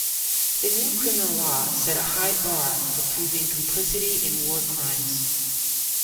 The new criminal law set a high bar for proving complicity in war crimes.